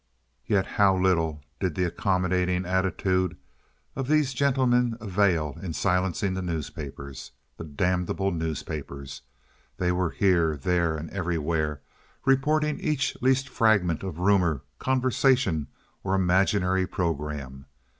Yet how little did the accommodating attitude of these gentlemen avail in silencing the newspapers. The damnable newspapers! They were here, there, and everywhere reporting each least fragment of rumor, conversation, or imaginary programme.